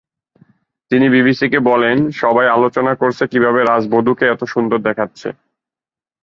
তিনি বিবিসিকে বলেন, সবাই আলোচনা করছে কীভাবে রাজবধূকে এত সুন্দর দেখাচ্ছে।